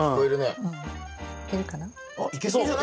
いけるかな。